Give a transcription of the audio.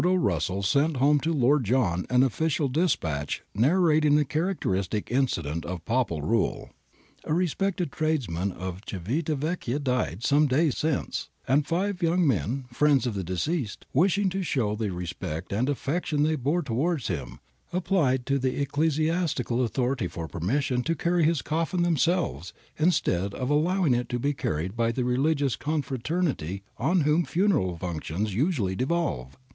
Rome, Russell, No. 170, November 11, i860. GOVERNMENT BY PRIESTS 205 Lord John an official dispatch narrating a characteristic incident of Papal rule :—' A respectable tradesman of Civita Vecchia died some days since, and five young men, friends of the deceased, wishing to show the respect and affec tion they bore towards him, applied to the Ecclesiastical Authority for permission to carry his coffin themselves instead of allowing it to be carried by the religious Confraternity on whom funeral functions usually devolve.